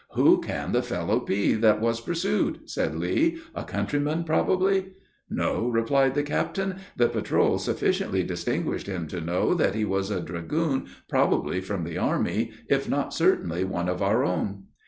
"Who can the fellow be that was pursued?" said Lee; "a countryman, probably." "No," replied the captain; "the patrol sufficiently distinguished him to know that he was a dragoon probably from the army, if not, certainly one of our own."